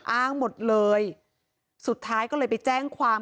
อ้างหมดเลยสุดท้ายก็เลยไปแจ้งความ